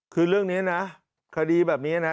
คือเรื่องนี้นะคดีแบบนี้นะ